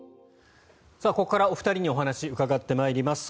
ここからお二人にお話をお伺いします。